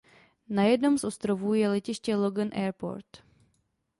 Na jednom z ostrovů je letiště "Logan airport".